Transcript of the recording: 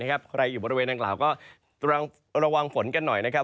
ใครอยู่บริเวณนางกล่าวก็ระวังฝนกันหน่อยนะครับ